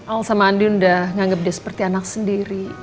al sama andin udah nganggep dia seperti anak sendiri